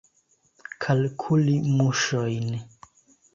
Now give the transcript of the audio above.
Kalkuli muŝojn.